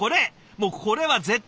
もうこれは絶対麺。